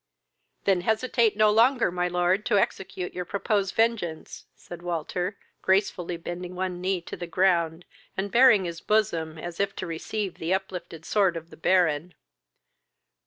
"Then hesitate no longer, my lord, to execute your proposed vengeance! (said Walter, gracefully bending one knee to the ground, and baring his bosom, as if to receive the uplifted sword of the Baron.)